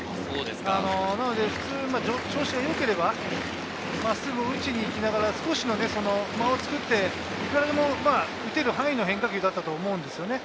なので、調子がよければ真っすぐを打ちにいきながら少しの間を作って、いくらでも打てる範囲の変化球だったと思うんですよね。